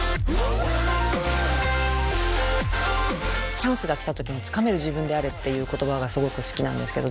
チャンスが来た時につかめる自分であれっていう言葉がすごく好きなんですけど。